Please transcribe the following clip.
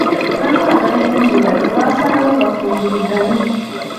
Olw'enkolagana ennungi eyaliwo baasalawo bafumbiriganwe.